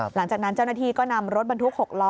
หลังจากนั้นเจ้าหน้าที่ก็นำรถบรรทุก๖ล้อ